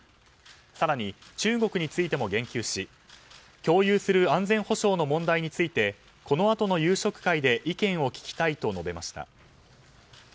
更に、中国についても言及し共有する安全保障の問題についてこのあとの夕食会で意見を聞きたいと述べました。